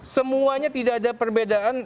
semuanya tidak ada perbedaan